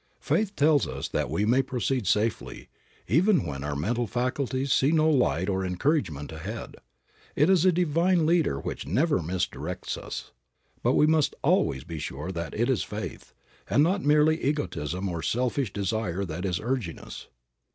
Faith tells us that we may proceed safely, even when our mental faculties see no light or encouragement ahead. It is a divine leader which never misdirects us. But we must always be sure that it is faith, and not merely egotism or selfish desire that is urging us.